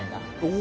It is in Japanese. お！